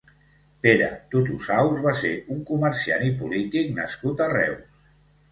Pere Totosaus va ser un comerciant i polític nascut a Reus.